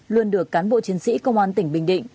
luôn được cán bộ chiến sĩ công an tỉnh bình định